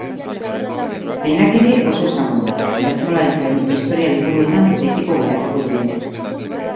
Denak ere oso ezagunak, bertsolaritzaren historia liburuetan betiko geratuko direnak.